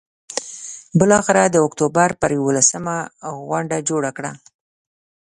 بالآخره د اکتوبر پر یوولسمه غونډه جوړه کړه.